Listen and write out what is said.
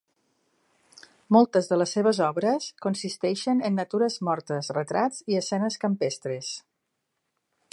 Moltes de les seves obres consisteixen en natures mortes, retrats i escenes campestres.